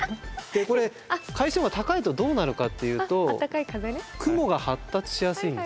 これ海水温が高いとどうなるかっていうと雲が発達しやすいんですね。